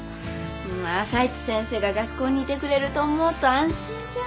朝市先生が学校にいてくれると思うと安心じゃん。